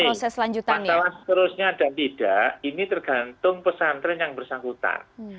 ini pak anam terusnya dan tidak ini tergantung pesantren yang bersangkutan